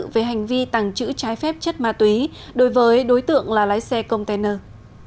về hành vi tàng trữ trái phép chất ma túy đối với đối tượng là lái xe container